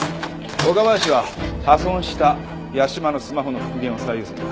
岡林は破損した屋島のスマホの復元を最優先だ。